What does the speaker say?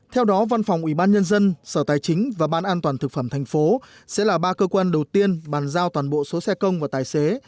theo đó văn phòng ubnd sở tài chính và ban an toàn thực phẩm tp sẽ là ba cơ quan đầu tiên bàn giao toàn bộ số xe công và tài xế